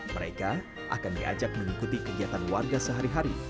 mereka akan diajak mengikuti kegiatan warga sehari hari